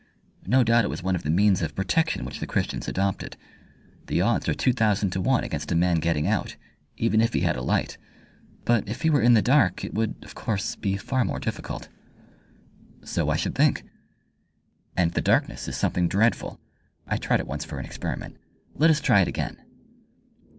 No doubt it was one of the means of protection which the Christians adopted. The odds are two thousand to one against a man getting out, even if he had a light; but if he were in the dark it would, of course, be far more difficult." "So I should think." "And the darkness is something dreadful. I tried it once for an experiment. Let us try it again!"